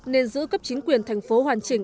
nên giữ cấp chính quyền thành phố hoàn chỉnh